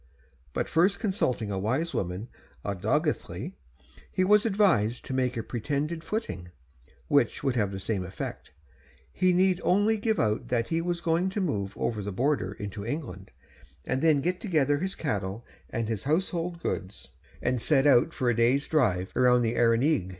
But first consulting a wise woman at Dolgelley, he was advised to make a pretended flitting, which would have the same effect; he need only give out that he was going to move over the border into England, and then get together his cattle and his household goods, and set out for a day's drive around the Arenig.